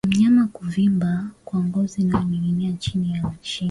Mnyama kuvimba kwa ngozi inayoninginia chini ya shingo